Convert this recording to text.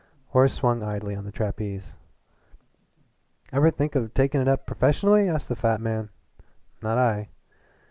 Horace swung idly on the trapeze. "Ever think of takin' it up professionally?" asked the fat man. "Not I."